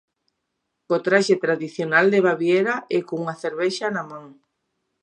Co traxe tradicional de Baviera e cunha cervexa na man.